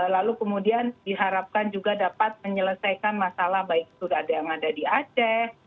lalu kemudian diharapkan juga dapat menyelesaikan masalah baik itu yang ada di aceh